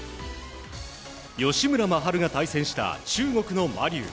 吉村真晴が対戦した中国のマ・リュウ。